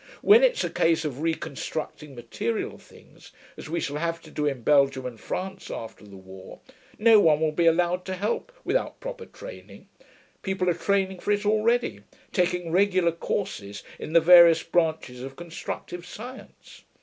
When it's a case of reconstructing material things, as we shall have to do in Belgium and France after the war, no one will be allowed to help without proper training; people are training for it already, taking regular courses in the various branches of constructive science.